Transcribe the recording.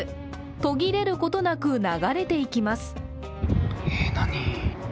途切れることなく、流れていきます